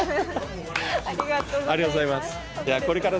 ありがとうございます。